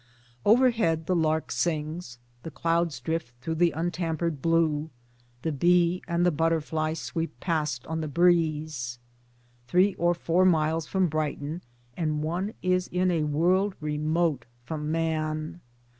Overhead the lark sings, the cloudis drift through the untampered blue, the bee and the butterfly sweep past on the breeze. Three or four miles from Brighton, and one is in a world remote from man.